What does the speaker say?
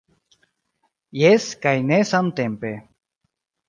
Jes kaj ne samtempe.